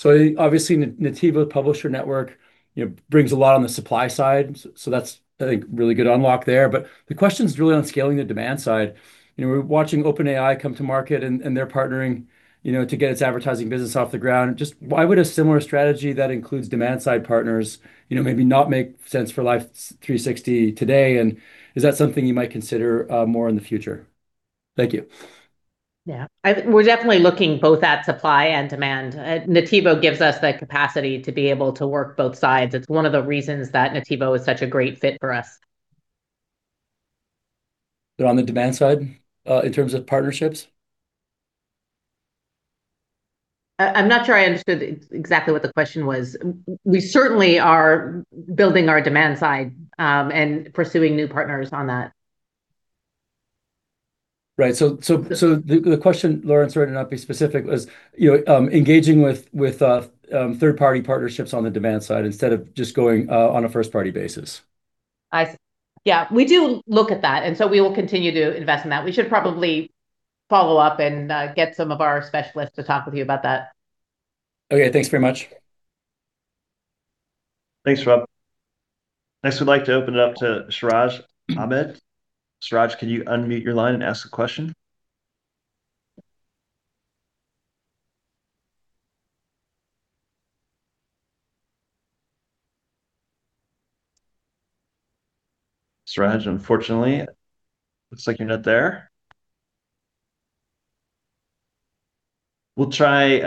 Obviously Nativo Publisher Network, you know, brings a lot on the supply side so that's, I think, really good unlock there. The question's really on scaling the demand side. You know, we're watching OpenAI come to market and they're partnering, you know, to get its advertising business off the ground. Just why would a similar strategy that includes demand-side partners, you know, maybe not make sense for Life360 today, and is that something you might consider more in the future? Thank you. Yeah. We're definitely looking both at supply and demand. Nativo gives us the capacity to be able to work both sides. It's one of the reasons that Nativo is such a great fit for us. On the demand side, in terms of partnerships? I'm not sure I understood exactly what the question was. We certainly are building our demand side and pursuing new partners on that. Right. The question, Lauren, sorry to not be specific, was, you know, engaging with third-party partnerships on the demand side instead of just going on a first-party basis? Yeah, we do look at that, and so we will continue to invest in that. We should probably follow up and get some of our specialists to talk with you about that. Okay, thanks very much. Thanks, Rob. We'd like to open it up to Siraj Ahmed. Siraj, can you unmute your line and ask a question? Siraj, unfortunately, looks like you're not there. We'll try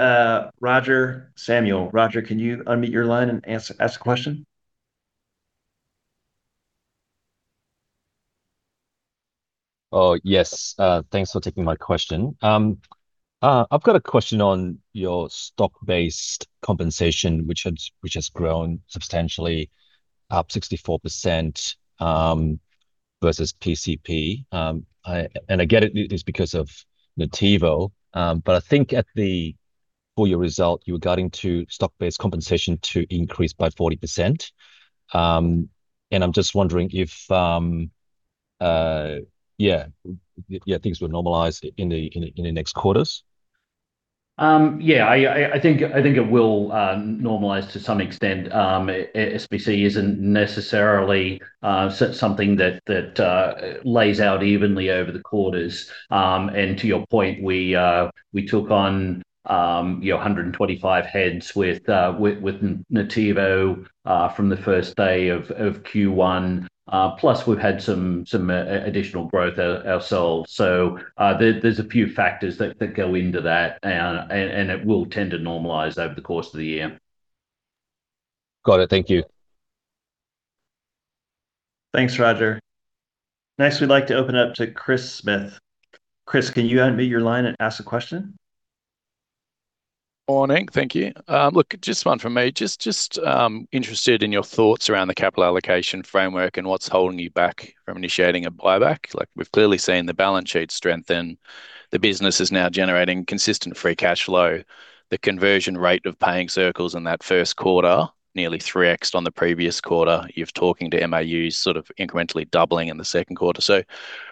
[Roger Samuel]. Roger, can you unmute your line and ask a question? Oh, yes. Thanks for taking my question. I've got a question on your stock-based compensation, which has grown substantially, up 64% versus PCP. I get it's because of Nativo. I think at the full year result you were guiding to stock-based compensation to increase by 40%. I'm just wondering if things would normalize in the next quarters? Yeah. I think it will normalize to some extent. SBC isn't necessarily something that lays out evenly over the quarters. To your point, we took on, you know, 125 heads with Nativo from the first day of Q1. Plus we've had some additional growth ourselves. There's a few factors that go into that and it will tend to normalize over the course of the year. Got it. Thank you. Thanks, Roger. Next we'd like to open up to [Chris Smith]. Chris, can you unmute your line and ask a question? Morning. Thank you. Just one from me. Just interested in your thoughts around the capital allocation framework and what's holding you back from initiating a buyback. Like, we've clearly seen the balance sheet strengthen. The business is now generating consistent free cashflow. The conversion rate of Paying Circles in that first quarter nearly 3x on the previous quarter. You're talking to MAUs sort of incrementally doubling in the second quarter.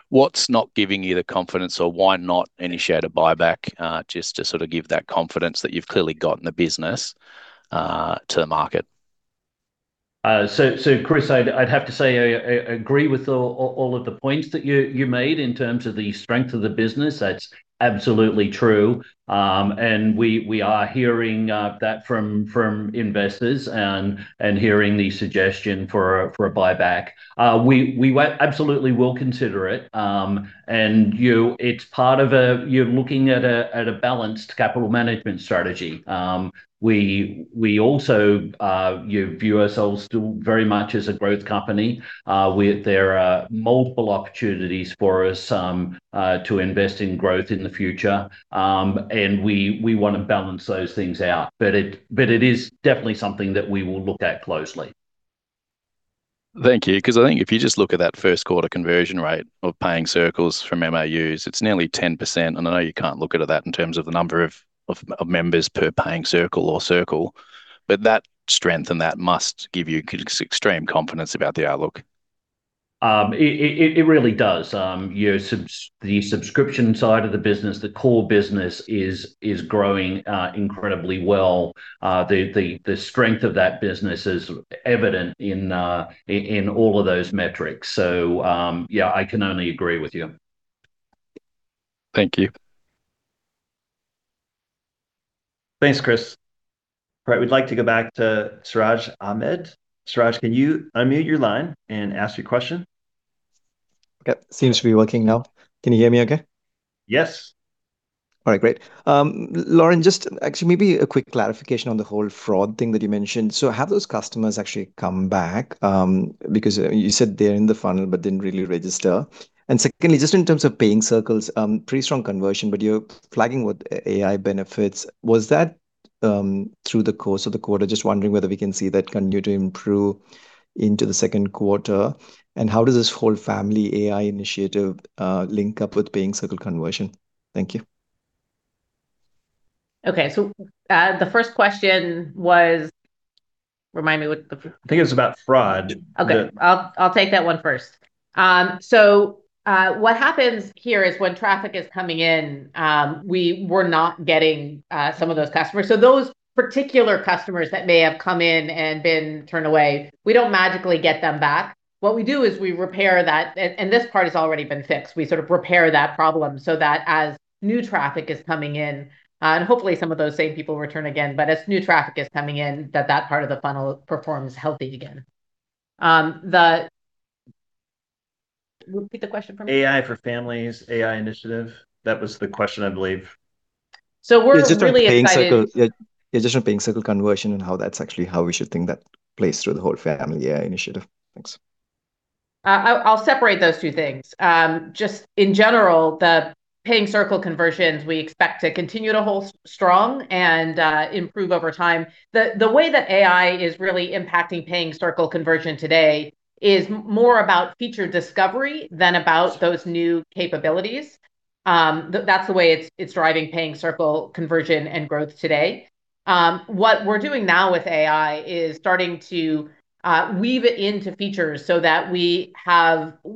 What's not giving you the confidence, or why not initiate a buyback, just to sort of give that confidence that you've clearly got in the business to the market? Chris, I'd have to say I agree with all of the points that you made in terms of the strength of the business. That's absolutely true. We are hearing that from investors and hearing the suggestion for a buyback. We absolutely will consider it. You're looking at a balanced capital management strategy. We also view ourselves still very much as a growth company. There are multiple opportunities for us to invest in growth in the future. We wanna balance those things out. It is definitely something that we will look at closely. Thank you. I think if you just look at that first quarter conversion rate of Paying Circles from MAUs, it's nearly 10%. I know you can't look at it that in terms of the number of members per Paying Circles or Circle, but that strength and that must give you extreme confidence about the outlook? It really does. Your the subscription side of the business, the core business is growing incredibly well. The strength of that business is evident in all of those metrics. Yeah, I can only agree with you. Thank you. Thanks, Chris. Right, we'd like to go back to Siraj Ahmed. Siraj, can you unmute your line and ask your question? Okay. Seems to be working now. Can you hear me okay? Yes. All right, great. Lauren, just actually maybe a quick clarification on the whole fraud thing that you mentioned. Have those customers actually come back? Because you said they're in the funnel but didn't really register. Secondly, just in terms of Paying Circles, pretty strong conversion, but you're flagging with AI benefits. Was that through the course of the quarter? Just wondering whether we can see that continue to improve into the second quarter, and how does this whole family AI initiative link up with Paying Circles conversion? Thank you. Okay. The first question was Remind me what the? I think it's about fraud. Okay. I'll take that one first. What happens here is when traffic is coming in, we were not getting some of those customers. Those particular customers that may have come in and been turned away, we don't magically get them back. What we do is we repair that, and this part has already been fixed. We sort of repair that problem so that as new traffic is coming in, and hopefully some of those same people return again. As new traffic is coming in, that part of the funnel performs healthy again. Repeat the question for me. AI for families, AI initiative. That was the question, I believe. So we're really excited- Is this sort of Paying Circles conversion and how that's actually how we should think that plays through the whole family AI initiative? Thanks. I'll separate those two things. Just in general, the Paying Circles conversions, we expect to continue to hold strong and improve over time. The way that AI is really impacting Paying Circles conversion today is more about feature discovery than about those new capabilities. That's the way it's driving Paying Circles conversion and growth today. What we're doing now with AI is starting to weave it into features so that we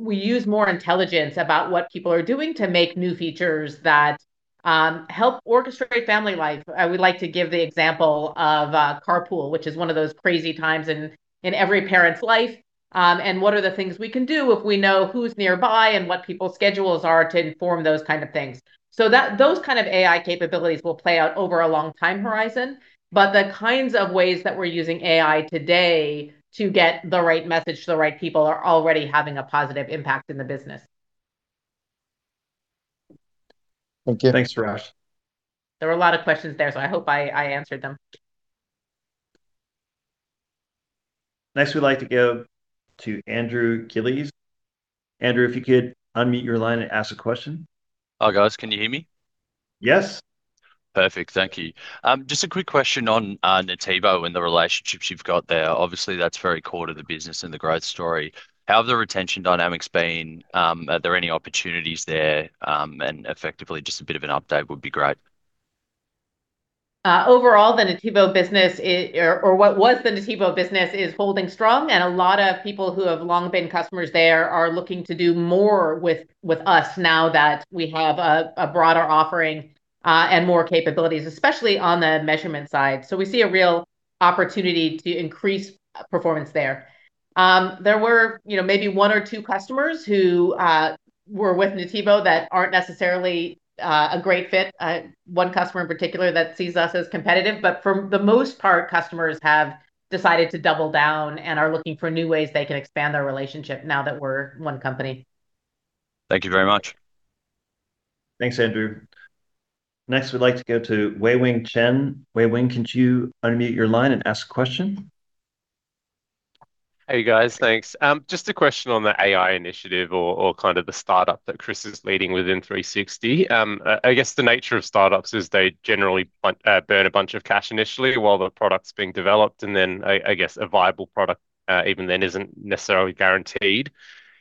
use more intelligence about what people are doing to make new features that help orchestrate family life. I would like to give the example of carpool, which is one of those crazy times in every parent's life. What are the things we can do if we know who's nearby and what people's schedules are to inform those kind of things. Those kind of AI capabilities will play out over a long time horizon, but the kinds of ways that we're using AI today to get the right message to the right people are already having a positive impact in the business. Thanks, Siraj. There were a lot of questions there. I hope I answered them. Next, we'd like to go to Andrew Gillies. Andrew, if you could unmute your line and ask a question. Hi, guys. Can you hear me? Yes. Perfect. Thank you. Just a quick question on Nativo and the relationships you've got there. That's very core to the business and the growth story. How have the retention dynamics been? Are there any opportunities there, and effectively just a bit of an update would be great. Overall, the Nativo business or what was the Nativo business is holding strong, and a lot of people who have long been customers there are looking to do more with us now that we have a broader offering and more capabilities, especially on the measurement side. We see a real opportunity to increase performance there. There were, you know, maybe one or two customers who were with Nativo that aren't necessarily a great fit, one customer in particular that sees us as competitive. For the most part, customers have decided to double down and are looking for new ways they can expand their relationship now that we're one company. Thank you very much. Thanks, Andrew. Next, we'd like to go to [Wei-Weng Chen]. Wei Weng, could you unmute your line and ask a question? Hey, guys. Thanks. Just a question on the AI initiative or kind of the startup that Chris Hulls is leading within Life360. I guess the nature of startups is they generally burn a bunch of cash initially while the product's being developed, and then a, I guess a viable product, even then isn't necessarily guaranteed.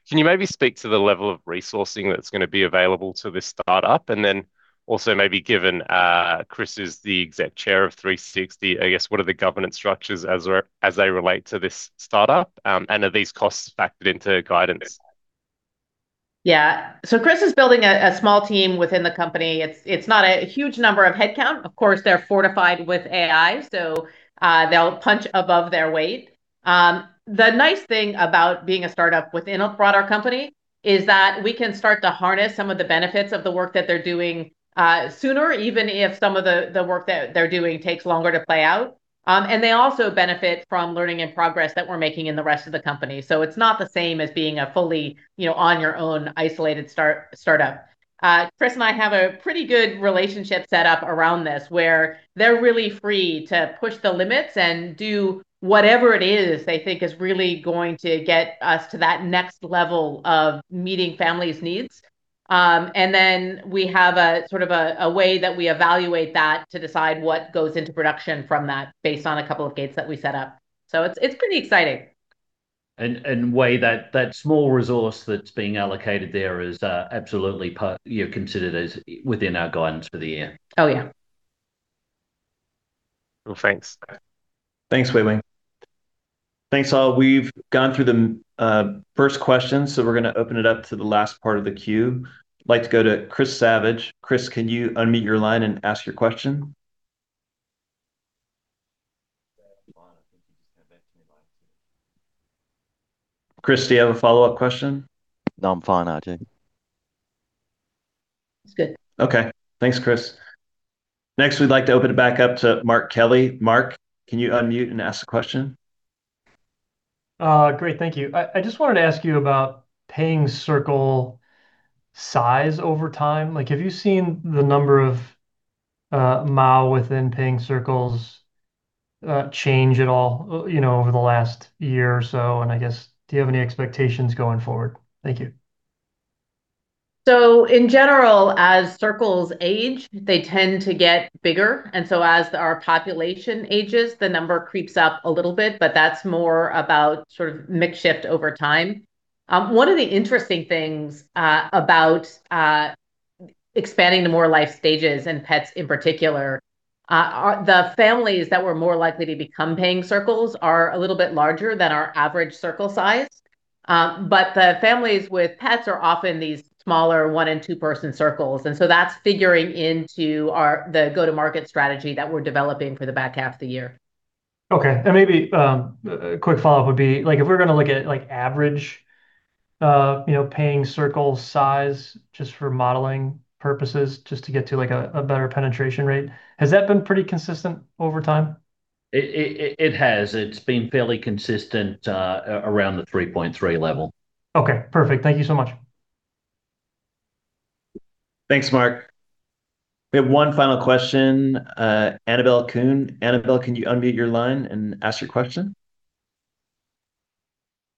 Can you maybe speak to the level of resourcing that's gonna be available to this startup? Then also maybe given, Chris is the Exec Chair of Life360, I guess what are the governance structures as they're, as they relate to this startup? Are these costs factored into guidance? Yeah. Chris is building a small team within the company. It's not a huge number of headcount. Of course, they're fortified with AI, so they'll punch above their weight. The nice thing about being a startup within a broader company is that we can start to harness some of the benefits of the work that they're doing sooner, even if some of the work that they're doing takes longer to play out. They also benefit from learning and progress that we're making in the rest of the company. It's not the same as being a fully, you know, on your own isolated startup. Chris and I have a pretty good relationship set up around this, where they're really free to push the limits and do whatever it is they think is really going to get us to that next level of meeting families' needs. We have a sort of a way that we evaluate that to decide what goes into production from that based on a couple of gates that we set up. It's pretty exciting. Wei, that small resource that's being allocated there is, you know, considered as within our guidance for the year. Oh, yeah. Well, thanks. Thanks, Wei Weng. Thanks, all. We've gone through the first questions. We're gonna open it up to the last part of the queue. I'd like to go to Chris Savage. Chris, can you unmute your line and ask your question? Chris, do you have a follow-up question? No, I'm fine. I do. He's good. Okay. Thanks, Chris. Next, we'd like to open it back up to [Mark Kelley]. Mark, can you unmute and ask a question? Great. Thank you. I just wanted to ask you about Paying Circles size over time. Like, have you seen the number of MAU within Paying Circles change at all, you know, over the last year or so? I guess, do you have any expectations going forward? Thank you. In general, as Paying Circles age, they tend to get bigger. As our population ages, the number creeps up a little bit, but that's more about sort of mix shift over time. One of the interesting things about expanding to more life stages and Pet GPS in particular are the families that were more likely to become Paying Circles are a little bit larger than our average circle size. But the families with pets are often these smaller one and two-person circles, that's figuring into our the go-to-market strategy that we're developing for the back half of the year. Okay. Maybe, like if we're gonna look at like average, you know, Paying Circles size just for modeling purposes, just to get to like a better penetration rate, has that been pretty consistent over time? It has. It's been fairly consistent, around the 3.3 level. Okay. Perfect. Thank you so much. Thanks, Mark. We have one final question. [Annabel Khun]. Annabel, can you unmute your line and ask your question?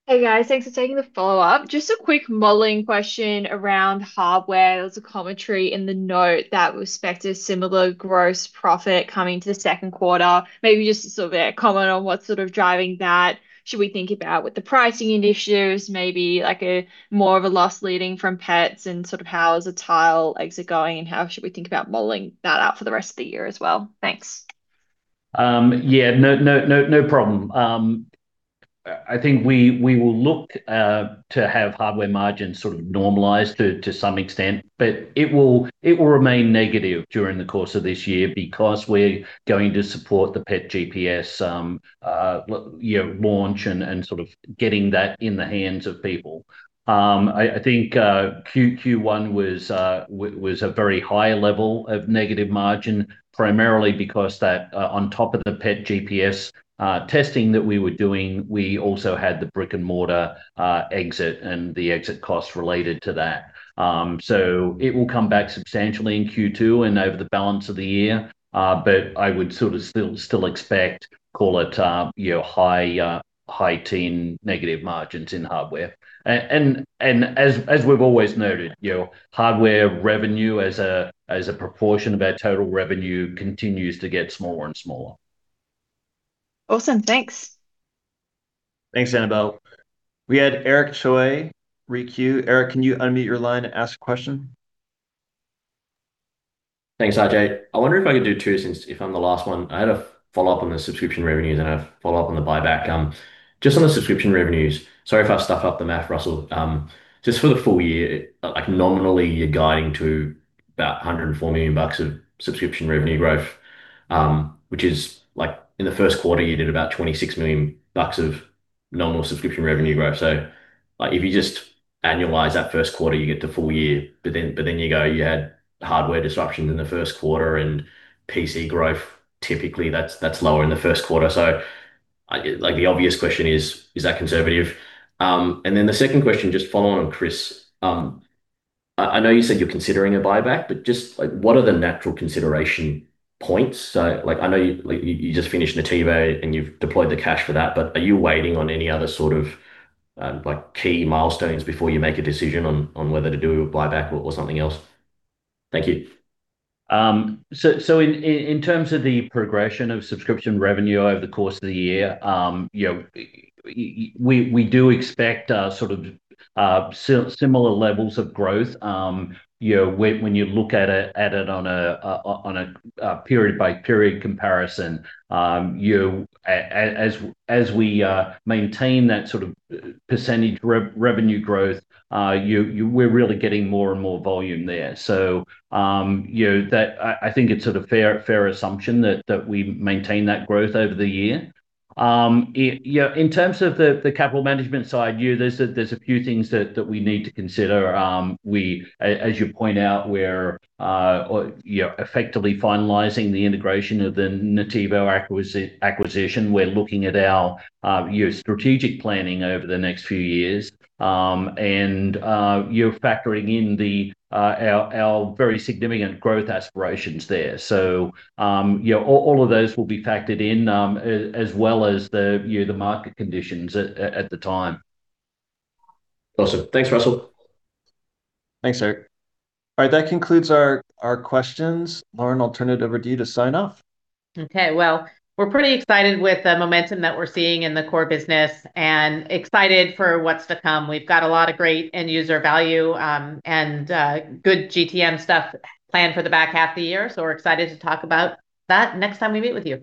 Hey, guys. Thanks for taking the follow-up. Just a quick modeling question around hardware. There was a commentary in the note that we expect a similar gross profit coming to the second quarter. Maybe just sort of a comment on what's sort of driving that. Should we think about with the pricing initiatives, maybe like a more of a loss leading from Pet GPS and sort of how is the Tile exit going, and how should we think about modeling that out for the rest of the year as well? Thanks. Yeah. No problem. I think we will look to have hardware margins sort of normalize to some extent, but it will remain negative during the course of this year because we're going to support the Pet GPS, you know, launch and sort of getting that in the hands of people. I think Q1 was a very high level of negative margin, primarily because that on top of the Pet GPS testing that we were doing, we also had the brick-and-mortar exit and the exit costs related to that. It will come back substantially in Q2 and over the balance of the year. I would sort of still expect, call it, you know, high-teen negative margins in hardware. As we've always noted, you know, hardware revenue as a proportion of our total revenue continues to get smaller and smaller. Awesome. Thanks. Thanks, Annabel. We had [Eric Choi] re-queue. Eric, can you unmute your line and ask a question? Thanks, RJ. I wonder if I could do two since if I'm the last one. I had a follow-up on the subscription revenues and a follow-up on the buyback. Just on the subscription revenues, sorry if I stuff up the math, Russell. Just for the full year, nominally you're guiding to about $104 million of subscription revenue growth, which is, in the first quarter you did about $26 million of normal subscription revenue growth. If you just annualize that first quarter, you get the full year. You had hardware disruption in the first quarter and PCP growth, typically that's lower in the first quarter. The obvious question is that conservative? The second question, just following on Chris. I know you said you're considering a buyback, but just, like what are the natural consideration points? Like I know you just finished Nativo and you've deployed the cash for that, but are you waiting on any other sort of, like key milestones before you make a decision on whether to do a buyback or something else? Thank you. In terms of the progression of subscription revenue over the course of the year, you know, we do expect similar levels of growth. You know, when you look at it on a period by period comparison, as we maintain that sort of percentage revenue growth, we're really getting more and more volume there. You know, that I think it's sort of fair assumption that we maintain that growth over the year. You know, in terms of the capital management side, you know, there's a few things that we need to consider. We as you point out, we're, you know, effectively finalizing the integration of the Nativo acquisition. We're looking at our, you know, strategic planning over the next few years, and, you know, factoring in our very significant growth aspirations there. You know, all of those will be factored in as well as the, you know, the market conditions at the time. Awesome. Thanks, Russell. Thanks, Eric. All right, that concludes our questions. Lauren, I'll turn it over to you to sign off. Okay. Well, we're pretty excited with the momentum that we're seeing in the core business, and excited for what's to come. We've got a lot of great end user value, and good GTM stuff planned for the back half of the year, so we're excited to talk about that next time we meet with you.